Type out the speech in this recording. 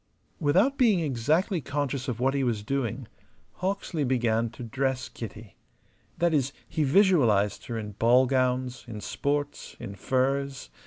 Without being exactly conscious of what he was doing, Hawksley began to dress Kitty that is, he visualized her in ball gowns, in sports, in furs.